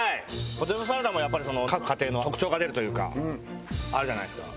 ポテトサラダもやっぱり各家庭の特徴が出るというかあるじゃないですか。